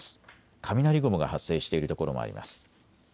雷雲が発生している所もあります。